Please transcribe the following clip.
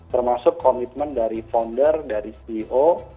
termasuk komitmen dari founder dari ceo